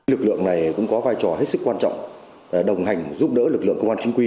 lực lượng này cũng có vai trò hết sức quan trọng đồng hành giúp đỡ lực lượng công an chính quy